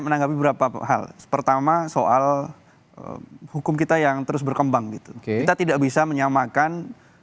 menanggapi beberapa hal pertama soal hukum kita yang terus berkembang gitu kita tidak bisa menyamakan